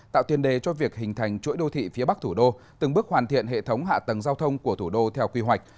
tạo tiền đề cho việc hình thành chuỗi đô thị phía bắc thủ đô từng bước hoàn thiện hệ thống hạ tầng giao thông của thủ đô theo quy hoạch